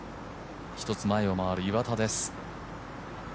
１つ前を回る岩田です。